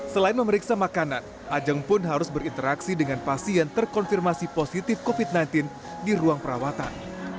selain memeriksa makanan ajeng pun harus berinteraksi dengan pasien terkonfirmasi positif covid sembilan belas di ruang perawatan